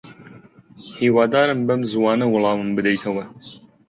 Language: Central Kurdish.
هیوادارم بەم زووانە وەڵامم بدەیتەوە.